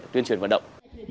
tuyên truyền vận động